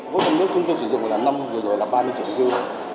gỗ trồng nước chúng tôi sử dụng là năm vừa rồi là ba mươi triệu mưu